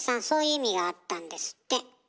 そういう意味があったんですって。